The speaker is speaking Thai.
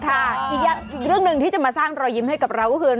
อีกเรื่องหนึ่งที่จะมาสร้างรอยยิ้มให้กับเราก็คือ